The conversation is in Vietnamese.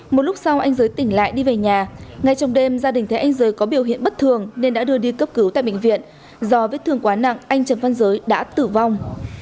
một lúc sau anh giới tỉnh lại đi về nhà ngay trong đêm gia đình thế anh giới có biểu hiện bất thường nên đã đưa đi cấp cứu tại bệnh viện do vết thương quá nặng anh trần văn giới đã tử vong